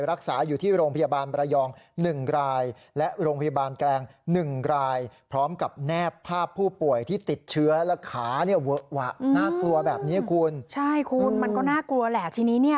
รักษาอยู่ที่โรงพยาบาลระยอง๑รายและโรงพยาบาลแกรง๑ราย